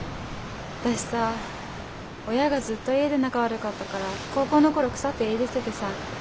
私さ親がずっと家で仲悪かったから高校の頃腐って家出しててさ。